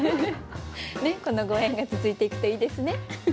このご縁が続いていくといいですね。